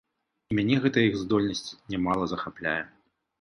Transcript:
І мяне гэтая іх здольнасць нямала захапляе.